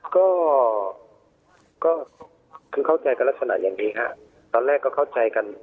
ก็คือเข้าใจกันลักษณะอย่างนี้ฮะตอนแรกก็เข้าใจกัน